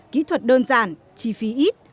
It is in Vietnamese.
kỹ thuật đơn giản chi phí ít